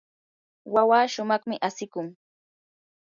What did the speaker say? wawaa shumaqmi asikun.